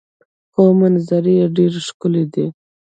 خو منظرې یې ډیرې ښکلې دي.